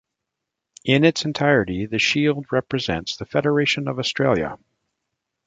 In its entirety the shield represents the federation of Australia.